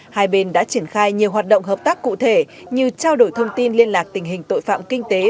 hai bên đã triển khai nhiều hoạt động hợp tác cụ thể như trao đổi thông tin liên lạc tình hình tội phạm kinh tế